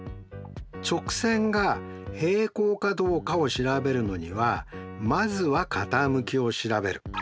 直線が平行かどうかを調べるのにはまずは傾きを調べる。